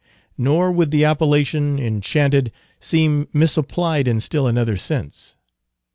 Nor would the appellation, enchanted, seem misapplied in still another sense.